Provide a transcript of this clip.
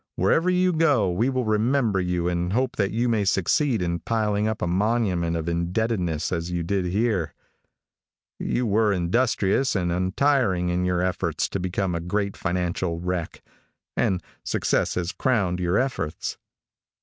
Wherever you go, we will remember you and hope that you may succeed in piling up a monument of indebtedness as you did here. You were industrious and untiring in your efforts to become a great financial wreck, and success has crowned your efforts.